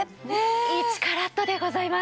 １カラットでございます。